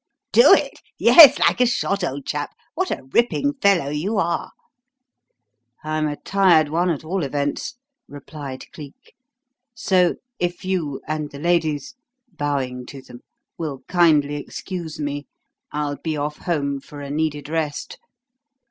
"Do it? Yes, like a shot, old chap. What a ripping fellow you are!" "I'm a tired one at all events," replied Cleek. "So, if you and the ladies" bowing to them "will kindly excuse me, I'll be off home for a needed rest.